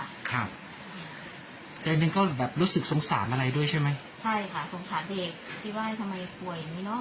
ครับใจหนึ่งก็แบบรู้สึกสงสารอะไรด้วยใช่ไหมใช่ค่ะสงสารเด็กที่ว่าทำไมป่วยอย่างงี้เนอะ